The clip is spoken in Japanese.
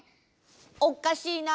おっかしいなあ？